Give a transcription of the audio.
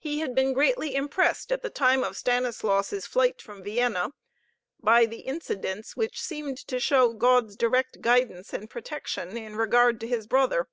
He had been greatly impressed at the time of Stanislaus' flight from Vienna, by the incidents which seemed to show God's direct guidance and protection in regard to his brother.